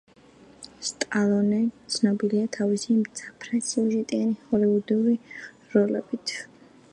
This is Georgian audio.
სტალონე ცნობილია თავისი მძაფრსიუჟეტიანი ჰოლივუდური როლებით.